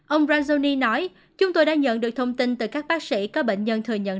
ông rajuni nói chúng tôi đã nhận được thông tin từ các bác sĩ có bệnh nhân thừa nhận